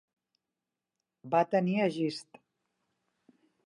Va tenir Egist.